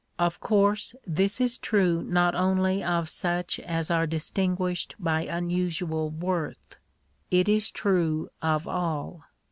Of course this is true not only of such as are distinguished by unusual worth; it is true of all.